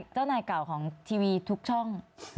เจ้านายเก่าของทีวีทุกช่อง